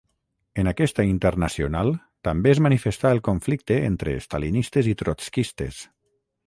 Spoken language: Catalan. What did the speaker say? En aquesta internacional també es manifestà el conflicte entre estalinistes i trotskistes.